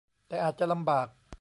แต่อาจจะลำบาก